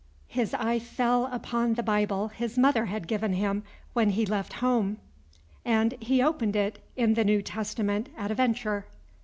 His eye fell upon the Bible his mother had given him when he left home, and he opened it in the New Testament at a venture.